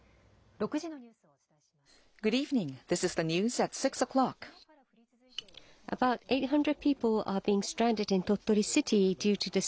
６時のニュースをお伝えします。